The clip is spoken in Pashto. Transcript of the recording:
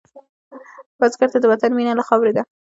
بزګر ته د وطن مینه له خاورې ده